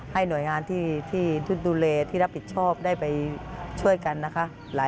ให้หน่วยงานที่รับผิดชอบได้ไปช่วยกันนะคะ